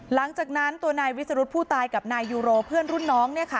หลังจากนั้นตัวนายวิสรุธผู้ตายกับนายยูโรเพื่อนรุ่นน้อง